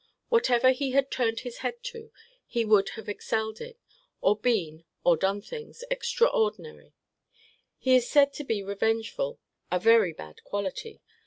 Whatever he had turned his head to, he would have excelled in; or been (or done things) extraordinary. He is said to be revengeful: a very bad quality!